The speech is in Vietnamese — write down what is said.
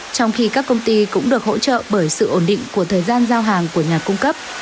trong khi các công ty cũng được hỗ trợ bởi sự ổn định của thời gian giao hàng của nhà cung cấp